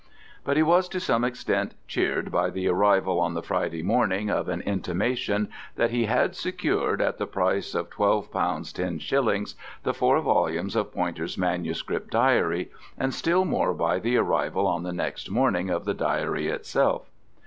But he was to some extent cheered by the arrival on the Friday morning of an intimation that he had secured at the price of £12 10s. the four volumes of Poynter's manuscript diary, and still more by the arrival on the next morning of the diary itself.